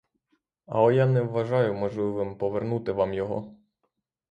Але я не вважаю можливим повернути вам його.